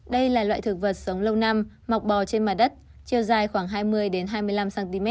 đây là loại thực vật sống lâu năm mọc bò trên mặt đất chiều dài khoảng hai mươi hai mươi năm cm